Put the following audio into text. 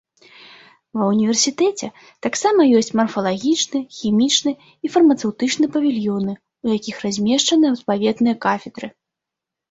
Ва універсітэце таксама ёсць марфалагічны, хімічны і фармацэўтычны павільёны, у якіх размешчаны адпаведныя кафедры.